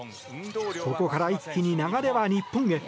ここから一気に流れは日本へ。